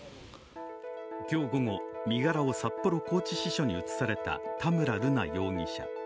今日午後、身柄を札幌拘置支所に移された田村瑠奈容疑者。